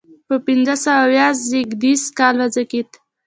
په پنځه سوه اویا زیږدي کال وزیږېد.